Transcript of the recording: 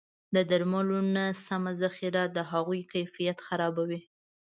د درملو نه سمه ذخیره د هغوی کیفیت خرابوي.